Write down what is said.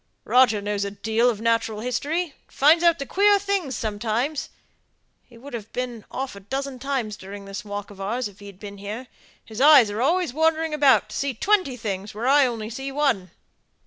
Roger knows a deal of natural history, and finds out queer things sometimes. He'd have been off a dozen times during this walk of ours, if he'd been here: his eyes are always wandering about, and see twenty things where I only see one.